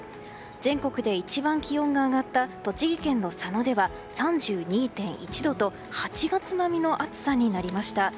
全国で一番気温が上がった栃木県の佐野では３２．１度と８月並みの暑さになりました。